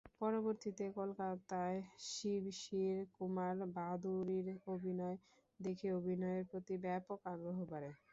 পরবর্তীতে কলকাতায় শিশির কুমার ভাদুড়ীর অভিনয় দেখে অভিনয়ের প্রতি ব্যাপক আগ্রহ বাড়ে।